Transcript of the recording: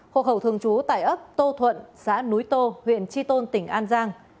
hộ khẩu thường trú tại ấp tô thuận xã núi tô huyện tri tôn tỉnh an giang